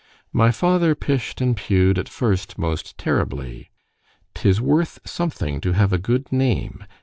——My father pish'd and pugh'd at first most terribly——'tis worth something to have a good name.